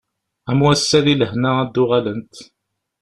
Am wass-a di lehna ad d-uɣalent.